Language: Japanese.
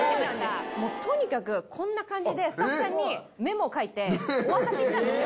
もうとにかく、こんな感じで、スタッフさんにメモ書いて、お渡ししたんですよ。